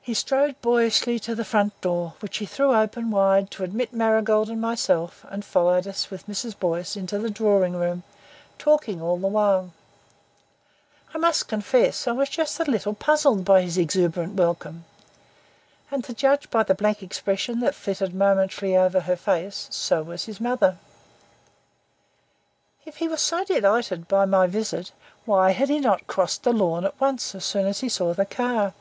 He strode boyishly to the front door, which he threw open wide to admit Marigold and myself and followed us with Mrs. Boyce into the drawing room, talking all the while. I must confess that I was just a little puzzled by his exuberant welcome. And, to judge by the blank expression that flitted momentarily over her face, so was his mother. If he were so delighted by my visit, why had he not crossed the lawn at once as soon as he saw the car?